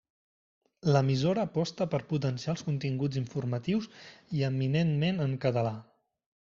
L'emissora aposta per potenciar els continguts informatius i eminentment en català.